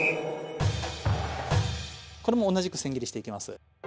これも同じくせん切りしていきます。